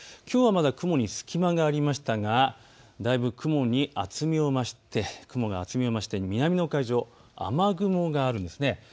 きょうはまだ雲に隙間がありましたがだいぶ雲が厚みを増して南の海上、雨雲があるんです。